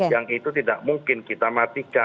yang itu tidak mungkin kita matikan